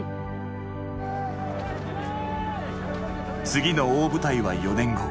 次の大舞台は４年後。